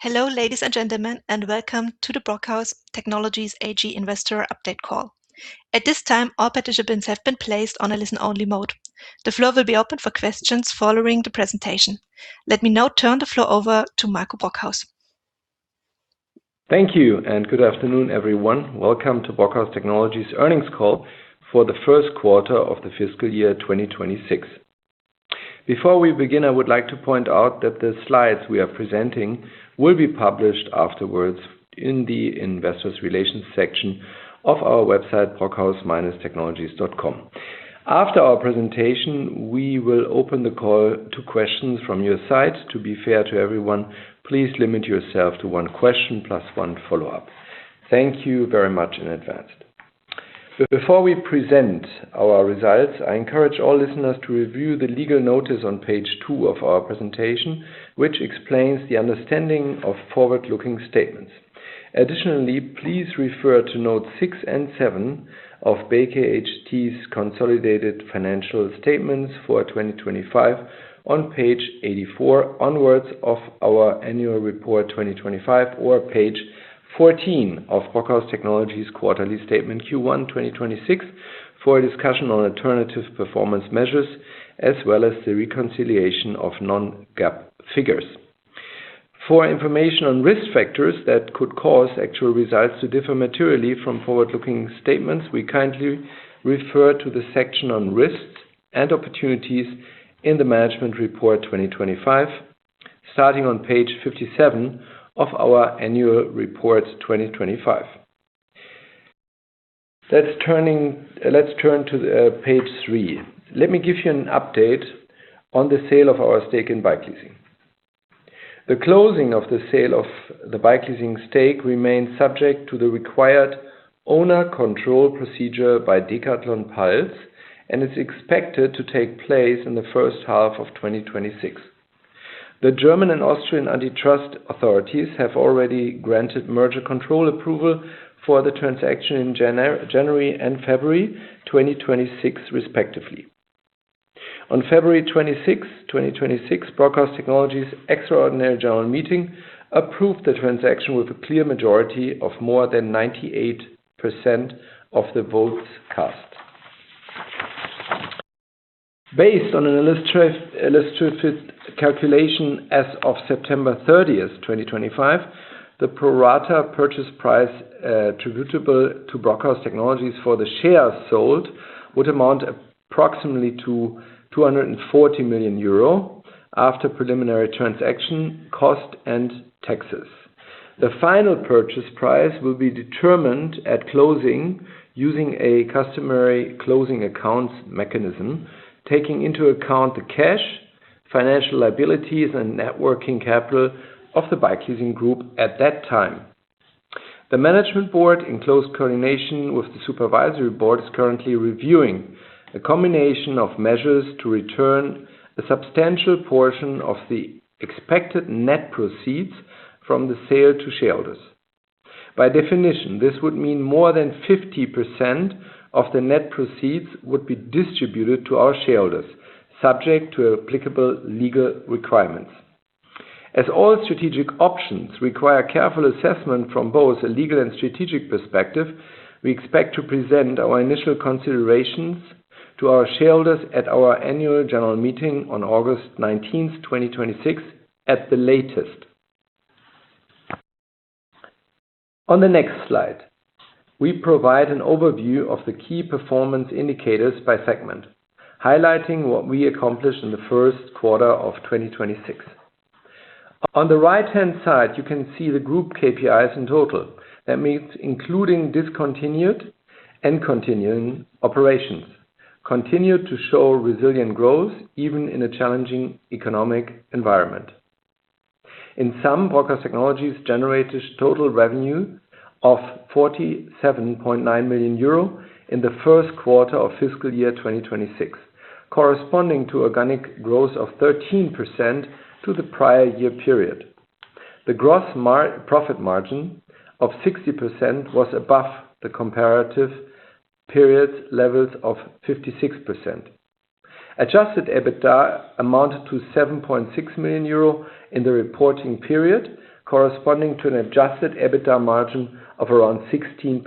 Hello, ladies and gentlemen, and welcome to the Brockhaus Technologies AG investor update call. Let me now turn the floor over to Marco Brockhaus. Thank you, and good afternoon, everyone. Welcome to Brockhaus Technologies earnings call for the first quarter of the fiscal year 2026. Before we begin, I would like to point out that the slides we are presenting will be published afterwards in the investors relations section of our website, brockhaus-technologies.com. After our presentation, we will open the call to questions from your side. To be fair to everyone, please limit yourself to one question plus one follow-up. Thank you very much in advance. Before we present our results, I encourage all listeners to review the legal notice on page two of our presentation, which explains the understanding of forward-looking statements. Additionally, please refer to note six and seven of BKHT's consolidated financial statements for 2025 on page 84 onwards of our annual report 2025 or page 14 of Brockhaus Technologies quarterly statement Q1 2026 for a discussion on alternative performance measures, as well as the reconciliation of non-GAAP figures. For information on risk factors that could cause actual results to differ materially from forward-looking statements, we kindly refer to the section on risks and opportunities in the management report 2025, starting on page 57 of our annual report 2025. Let's turn to page three. Let me give you an update on the sale of our stake in Bikeleasing. The closing of the sale of the Bikeleasing stake remains subject to the required owner control procedure by DECATHLON PULSE, it's expected to take place in the first half of 2026. The German and Austrian antitrust authorities have already granted merger control approval for the transaction in January and February 2026, respectively. On February 26, 2026, Brockhaus Technologies extraordinary general meeting approved the transaction with a clear majority of more than 98% of the votes cast. Based on an illustration calculation as of September 30th, 2025, the pro rata purchase price attributable to Brockhaus Technologies for the shares sold would amount approximately to 240 million euro after preliminary transaction cost and taxes. The final purchase price will be determined at closing using a customary closing accounts mechanism, taking into account the cash, financial liabilities and net working capital of the Bikeleasing group at that time. The management board, in close coordination with the supervisory board, is currently reviewing a combination of measures to return a substantial portion of the expected net proceeds from the sale to shareholders. By definition, this would mean more than 50% of the net proceeds would be distributed to our shareholders, subject to applicable legal requirements. As all strategic options require careful assessment from both a legal and strategic perspective, we expect to present our initial considerations to our shareholders at our annual general meeting on August 19th, 2026 at the latest. On the next slide, we provide an overview of the key performance indicators by segment, highlighting what we accomplished in the first quarter of 2026. On the right-hand side, you can see the group KPIs in total. That means including discontinued and continuing operations continued to show resilient growth even in a challenging economic environment. In sum, Brockhaus Technologies generated total revenue of 47.9 million euro in the first quarter of fiscal year 2026, corresponding to organic growth of 13% to the prior year period. The gross profit margin of 60% was above the comparative period's levels of 56%. Adjusted EBITDA amounted to 7.6 million euro in the reporting period, corresponding to an adjusted EBITDA margin of around 16%.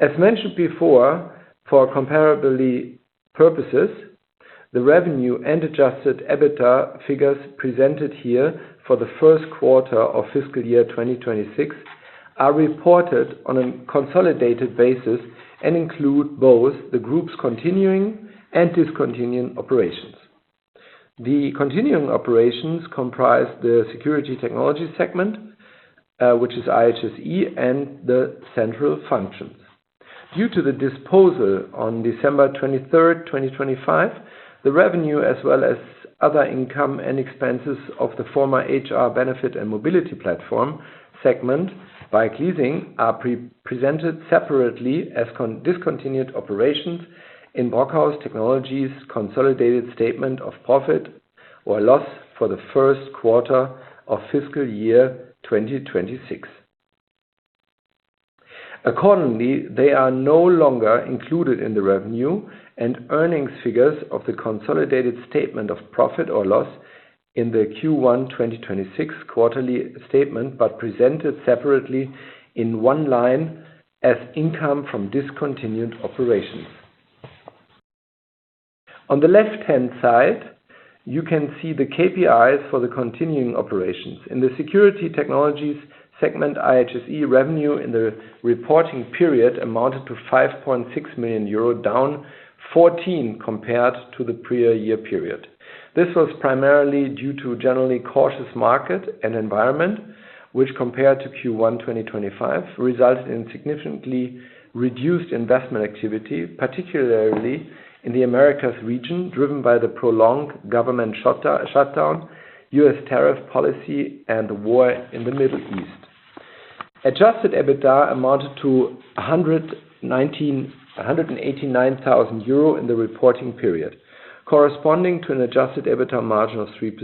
As mentioned before, for comparably purposes, the revenue and adjusted EBITDA figures presented here for the first quarter of fiscal year 2026 are reported on a consolidated basis and include both the group's continuing and discontinuing operations. The continuing operations comprise the Security Technologies segment, which is IHSE, and the central functions. Due to the disposal on December 23rd, 2025, the revenue as well as other income and expenses of the former HR Benefit & Mobility Platform segment, Bikeleasing, are presented separately as discontinued operations in Brockhaus Technologies consolidated statement of profit or loss for the first quarter of fiscal year 2026. They are no longer included in the revenue and earnings figures of the consolidated statement of profit or loss in the Q1 2026 quarterly statement, but presented separately in one line as income from discontinued operations. On the left-hand side, you can see the KPIs for the continuing operations. In the Security Technologies segment, IHSE revenue in the reporting period amounted to 5.6 million euro, down 14% compared to the prior year period. This was primarily due to generally cautious market and environment, which compared to Q1 2025, resulted in significantly reduced investment activity, particularly in the Americas region, driven by the prolonged government shutdown, U.S. tariff policy and war in the Middle East. Adjusted EBITDA amounted to 189,000 euro in the reporting period, corresponding to an adjusted EBITDA margin of 3%.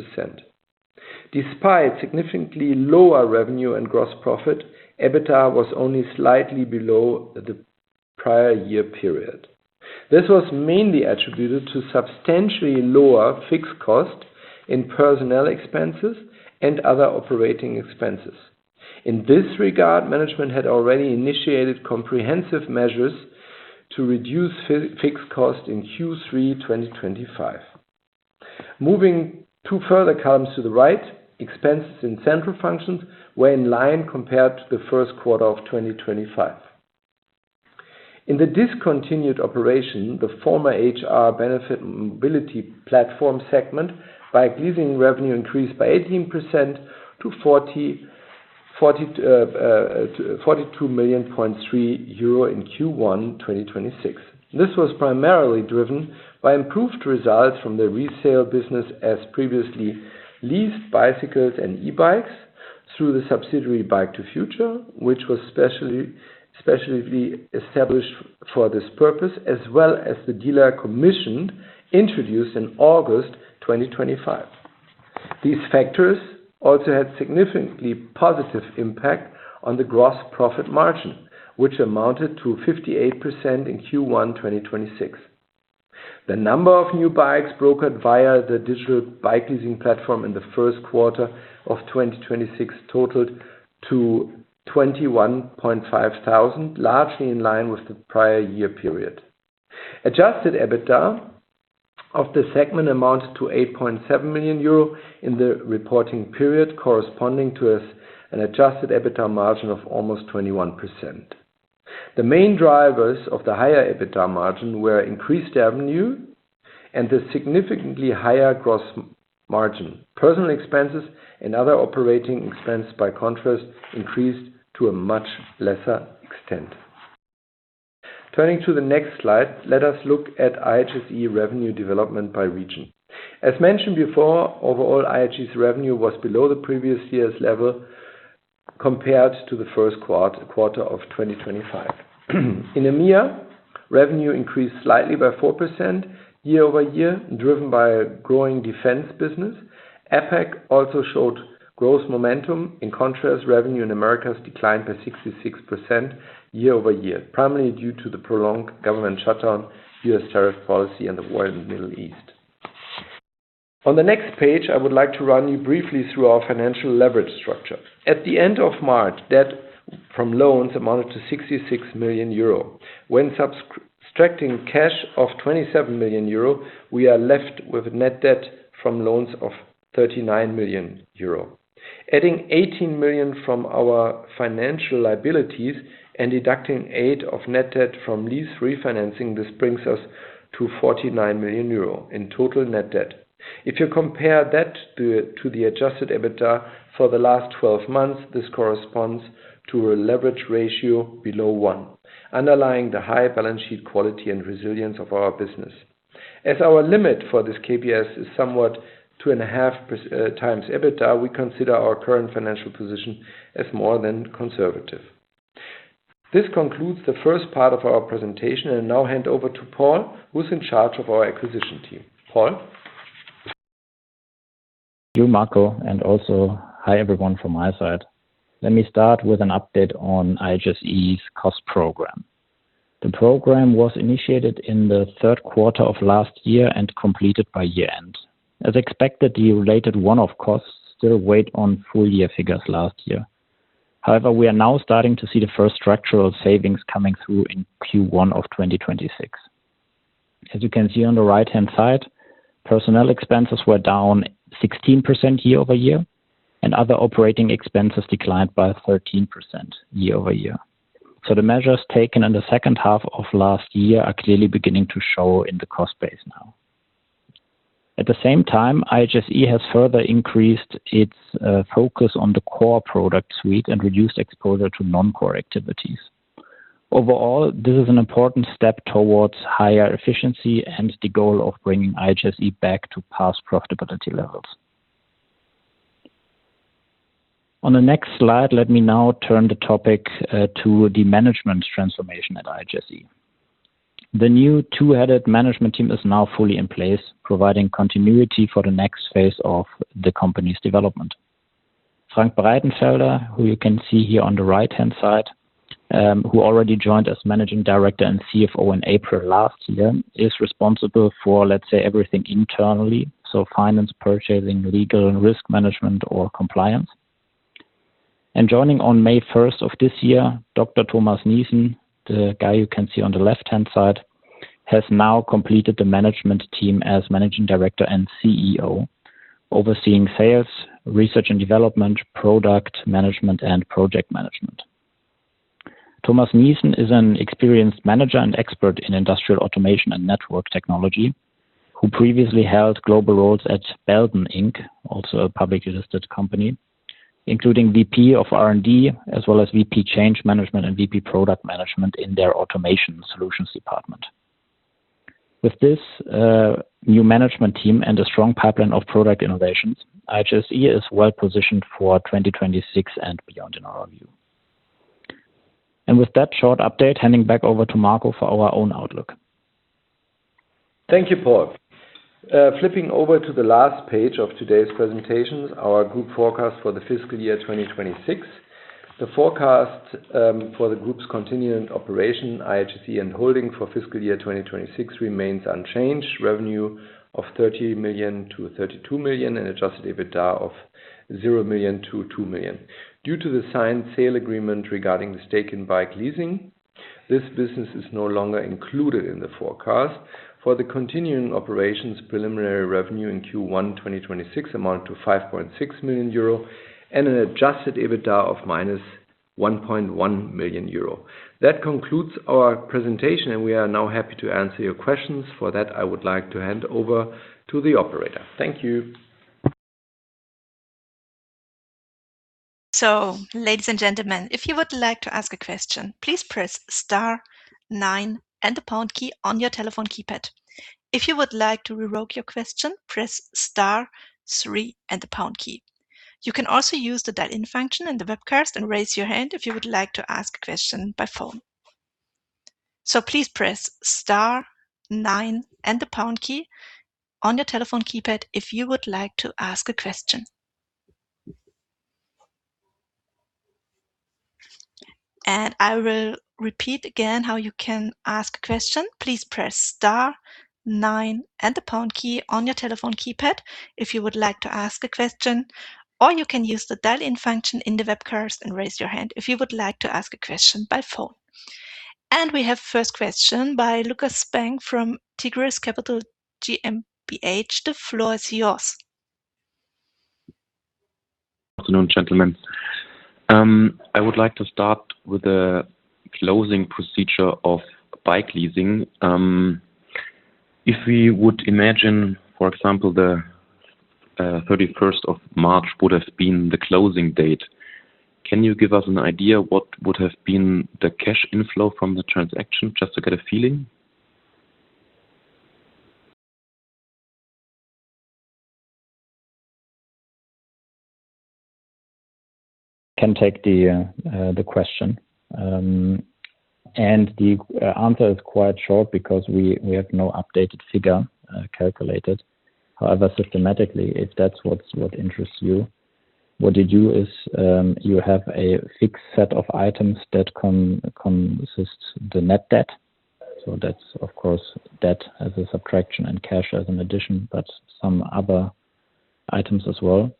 Despite significantly lower revenue and gross profit, EBITDA was only slightly below the prior year period. This was mainly attributed to substantially lower fixed cost in personnel expenses and other operating expenses. In this regard, management had already initiated comprehensive measures to reduce fixed cost in Q3 2025. Moving two further columns to the right, expenses in central functions were in line compared to the first quarter of 2025. In the discontinued operation, the former HR Benefit & Mobility Platform segment, Bikeleasing revenue increased by 18% to 42.3 million in Q1 2026. This was primarily driven by improved results from the resale business as previously leased bicycles and e-bikes through the subsidiary, Bike2Future, which was specially established for this purpose, as well as the dealer commission introduced in August 2025. These factors also had significantly positive impact on the gross profit margin, which amounted to 58% in Q1 2026. The number of new bikes brokered via the digital Bikeleasing platform in the first quarter of 2026 totaled to 21.5 thousand, largely in line with the prior-year period. Adjusted EBITDA of the segment amounted to 8.7 million euro in the reporting period, corresponding to an adjusted EBITDA margin of almost 21%. The main drivers of the higher EBITDA margin were increased revenue and the significantly higher gross margin. Personnel expenses and other operating expense, by contrast, increased to a much lesser extent. Turning to the next slide, let us look at IHSE revenue development by region. As mentioned before, overall, IHSE's revenue was below the previous year's level compared to the first quarter of 2025. In EMEA, revenue increased slightly by 4% year-over-year, driven by a growing defense business. APAC also showed growth momentum. In contrast, revenue in Americas declined by 66% year-over-year, primarily due to the prolonged government shutdown, U.S. tariff policy and the war in the Middle East. On the next page, I would like to run you briefly through our financial leverage structure. At the end of March, debt from loans amounted to 66 million euro. Subtracting cash of 27 million euro, we are left with net debt from loans of 39 million euro. Adding 18 million from our financial liabilities and deducting 8 of net debt from lease refinancing, this brings us to 49 million euro in total net debt. If you compare that to the adjusted EBITDA for the last 12 months, this corresponds to a leverage ratio below one, underlying the high balance sheet quality and resilience of our business. As our limit for this KBS is somewhat two and a half time EBITDA, we consider our current financial position as more than conservative. This concludes the first part of our presentation, and I now hand over to Paul, who's in charge of our acquisition team. Paul. You, Marco, and also hi, everyone from my side. Let me start with an update on IHSE's cost program. The program was initiated in the third quarter of last year and completed by year-end. As expected, the related one-off costs still weighed on full-year figures last year. However, we are now starting to see the first structural savings coming through in Q1 of 2026. As you can see on the right-hand side, personnel expenses were down 16% year-over-year, and other operating expenses declined by 13% year-over-year. The measures taken in the second half of last year are clearly beginning to show in the cost base now. At the same time, IHSE has further increased its focus on the core product suite and reduced exposure to non-core activities. Overall, this is an important step towards higher efficiency and the goal of bringing IHSE back to past profitability levels. On the next slide, let me now turn the topic to the management transformation at IHSE. The new two-headed management team is now fully in place, providing continuity for the next phase of the company's development. Frank Breitenfelder, who you can see here on the right-hand side, who already joined as Managing Director and CFO in April last year, is responsible for everything internally, so finance, purchasing, legal and risk management or compliance. Joining on May 1st of this year, Dr. Thomas Niessen, the guy you can see on the left-hand side, has now completed the management team as Managing Director and CEO, overseeing sales, research and development, product management, and project management. Thomas Niessen is an experienced manager and expert in industrial automation and network technology, who previously held global roles at Belden Inc., also a publicly listed company, including VP of R&D, as well as VP Change Management and VP Product Management in their automation solutions department. With this, new management team and a strong pipeline of product innovations, IHSE is well-positioned for 2026 and beyond, in our view. With that short update, handing back over to Marco for our own outlook. Thank you, Paul. Flipping over to the last page of today's presentations, our group forecast for the fiscal year 2026. The forecast for the group's continuing operation, IHSE and holding for fiscal year 2026 remains unchanged. Revenue of 30 million-32 million and adjusted EBITDA of 0 million-2 million. Due to the signed sale agreement regarding the stake in Bikeleasing, this business is no longer included in the forecast. For the continuing operations, preliminary revenue in Q1 2026 amount to 5.6 million euro and an adjusted EBITDA of minus 1.1 million euro. That concludes our presentation. We are now happy to answer your questions. For that, I would like to hand over to the operator. Thank you. Ladies and gentlemen, if you would like to ask a question, please press star nine and the pound key on your telephone keypad. If you would like to revoke your question, press star three and the pound key. You can also use the dial-in function in the webcast and raise your hand if you would like to ask a question by phone. Please press star nine and the pound key on your telephone keypad if you would like to ask a question. I will repeat again how you can ask a question. Please press star nine and the pound key on your telephone keypad if you would like to ask a question, or you can use the dial-in function in the webcast and raise your hand if you would like to ask a question by phone. We have first question by Lukas Spang from Tigris Capital GmbH. The floor is yours. Good afternoon, gentlemen. I would like to start with the closing procedure of Bikeleasing. If we would imagine, for example, the 31st of March would have been the closing date, can you give us an idea what would have been the cash inflow from the transaction, just to get a feeling? Can take the question. The answer is quite short because we have no updated figure calculated. However, systematically, if that's what interests you, what you do is you have a fixed set of items that consists the net debt. That's of course debt as a subtraction and cash as an addition, but some other items as well.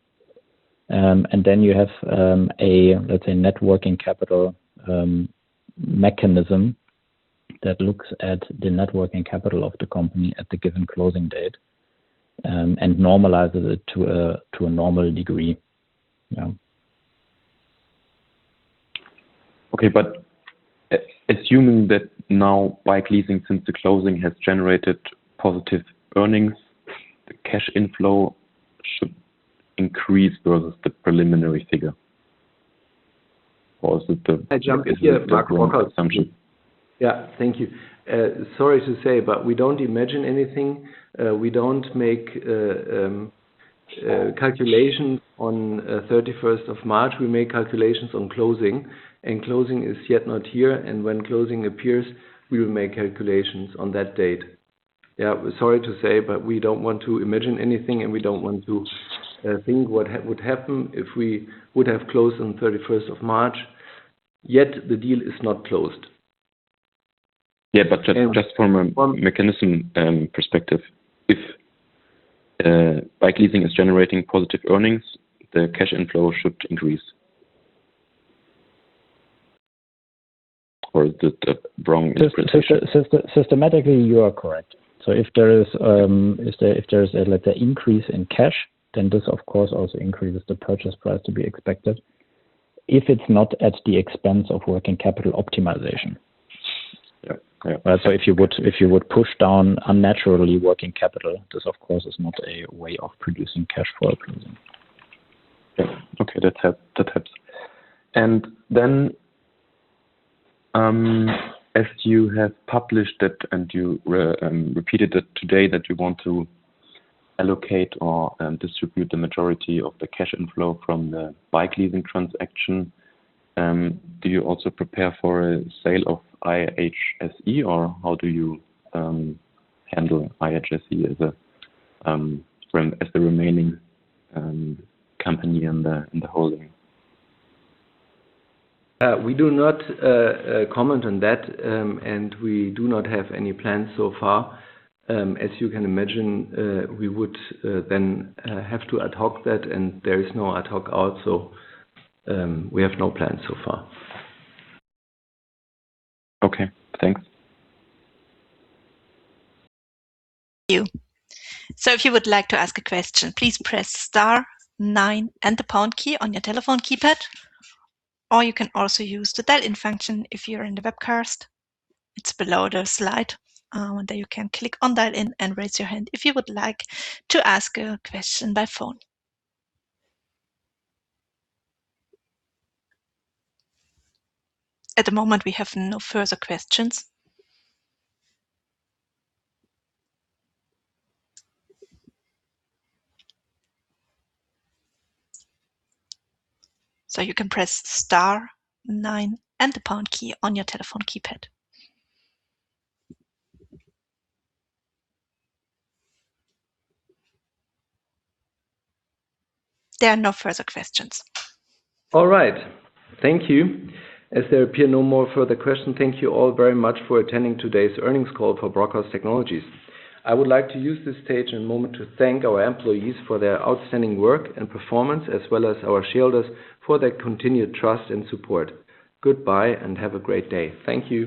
Then you have a let's say net working capital mechanism that looks at the net working capital of the company at the given closing date and normalizes it to a normal degree. Yeah. Okay. Assuming that now bikeleasing since the closing has generated positive earnings, the cash inflow should increase versus the preliminary figure. May I jump in here, Marco Brockhaus. Wrong assumption. Yeah. Thank you. Sorry to say, but we don't imagine anything. We don't make calculations on 31st of March. We make calculations on closing, and closing is yet not here. When closing appears, we will make calculations on that date. Yeah. Sorry to say, but we don't want to imagine anything, and we don't want to think what would happen if we would have closed on 31st of March. Yet the deal is not closed. Yeah. just from a mechanism perspective, if bike leasing is generating positive earnings, the cash inflow should increase. is that a wrong impression? Systematically, you are correct. If there is a, let's say, increase in cash, then this of course also increases the purchase price to be expected if it's not at the expense of working capital optimization. Yeah. Yeah. If you would push down unnaturally working capital, this of course is not a way of producing cash flow improvement. Yeah. Okay. That helps. That helps. As you have published it, and you repeated it today that you want to allocate or distribute the majority of the cash inflow from the bike leasing transaction, do you also prepare for a sale of IHSE, or how do you handle IHSE as the remaining company in the holding? We do not comment on that and we do not have any plans so far. As you can imagine we would then have to ad hoc that and there is no ad hoc also. We have no plans so far. Okay. Thanks. Thank you. If you would like to ask a question, please press star nine and the pound key on your telephone keypad, or you can also use the dial-in function if you're in the webcast. It's below the slide, and then you can click on dial in and raise your hand if you would like to ask a question by phone. At the moment, we have no further questions. You can press star nine and the pound key on your telephone keypad. There are no further questions. All right. Thank you. As there appear no more further question, thank you all very much for attending today's earnings call for Brockhaus Technologies. I would like to use this stage and moment to thank our employees for their outstanding work and performance, as well as our shareholders for their continued trust and support. Goodbye, and have a great day. Thank you.